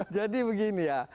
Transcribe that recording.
jadi begini ya